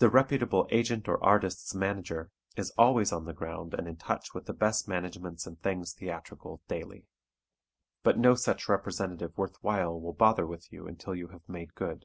The reputable agent or artist's manager is always on the ground and in touch with the best managements and things theatrical daily. But no such representative worth while will bother with you until you have made good.